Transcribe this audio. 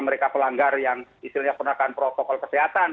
mereka pelanggar yang istilahnya penegakan protokol kesehatan